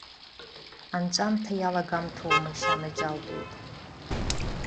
Анҵәамҭа иалагамҭоумашь, анаџьалбеит?!